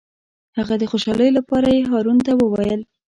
د هغه د خوشحالۍ لپاره یې هارون ته وویل.